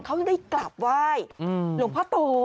เข้าได้กลับว่ายหลลงพ่อโต